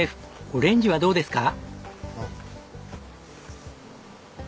オレンジはどうですか？